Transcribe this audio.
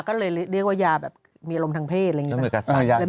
ก็เลยเรียกว่ายาแบบมีอารมณ์ทางเพศอะไรอย่างนี้